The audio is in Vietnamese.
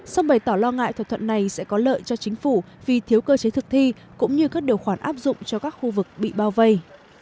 song bày tỏ lo ngại thỏa thuận này sẽ có lợi cho chính phủ vì thiếu cơ chế thực thi cũng như các điều khoản áp dụng cho các khu vực bị bao vây